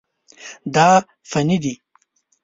دا فني دي.